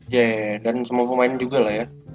ye dan semua pemain juga lah ya